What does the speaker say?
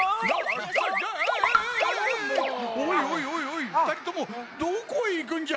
おいおいおいおいふたりともどこへいくんじゃ？